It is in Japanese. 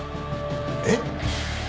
えっ！？